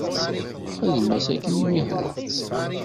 Xdem-as akken i m-ihwa.